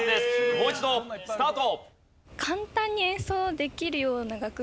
もう一度スタート。